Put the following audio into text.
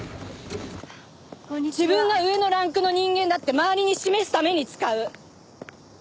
自分が上のランクの人間だって周りに示すために使う！